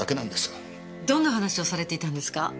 どんな話をされていたんですか？